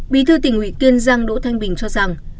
bí thư tỉnh ủy kiên giang đỗ thanh bình cho rằng